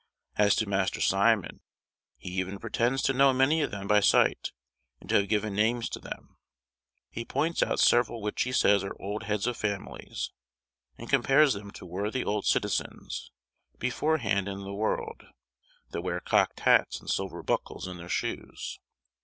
As to Master Simon, he even pretends to know many of them by sight, and to have given names to them; he points out several which he says are old heads of families, and compares them to worthy old citizens, beforehand in the world, that wear cocked hats and silver buckles in their shoes.